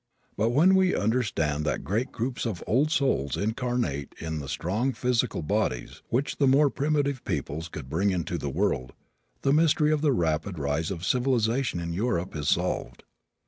But when we understand that great groups of old souls incarnate in the strong physical bodies which the more primitive peoples could bring into the world, the mystery of the rapid rise of a great civilization in Europe is solved.